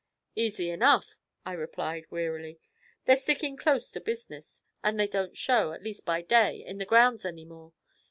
'Easy enough,' I replied wearily. 'They're sticking close to business, and they don't show, at least by day, in the grounds any more.